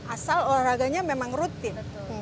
asal olahraganya memang rutin